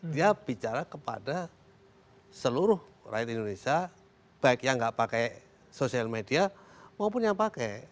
dia bicara kepada seluruh rakyat indonesia baik yang nggak pakai sosial media maupun yang pakai